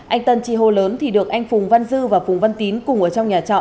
anh tân chi hô lớn thì được anh phùng văn dư và phùng văn tín cùng ở trong nhà trọ